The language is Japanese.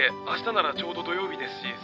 あしたならちょうど土曜日ですし。